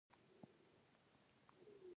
دا د مالي کال په پای کې ترسره کیږي.